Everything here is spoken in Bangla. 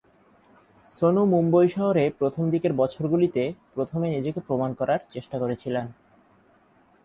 সোনু মুম্বই শহরে প্রথম দিকের বছরগুলিতে প্রথমে নিজেকে প্রমাণ করার চেষ্টা করছিলেন।